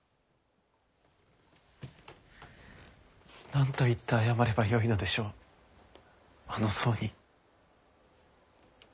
何と言って謝ればよいのでしょうあの僧に。